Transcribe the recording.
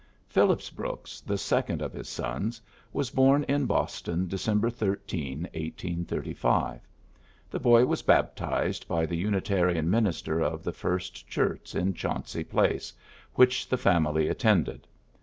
Phillips Brooks, the second of his sons, was born in Boston, December 13, 1835. The boy was baptized by the Unitarian minister of the First Church in Chauncy Place, which the family attended.